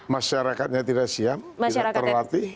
masyarakatnya tidak siap tidak terlatih